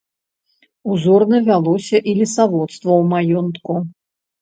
Узорна вялося і лесаводства ў маёнтку.